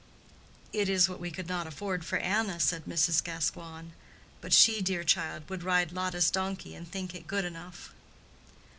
"It is what we could not afford for Anna," said Mrs. Gascoigne. "But she, dear child, would ride Lotta's donkey and think it good enough."